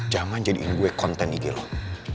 jangan jadiin gue konten ig loh